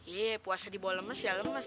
iya puasa di bawah lemes ya lemes